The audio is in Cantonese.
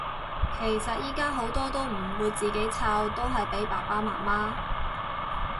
其實依家好多都唔會自己湊，都係俾爸爸媽媽